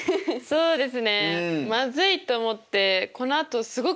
そうです。